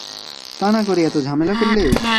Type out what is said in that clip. তা না করে এত ঝামেলা করলে।